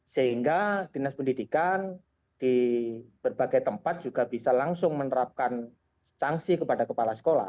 sehingga dinas pendidikan di berbagai tempat juga bisa langsung menerapkan sanksi kepada kepala sekolah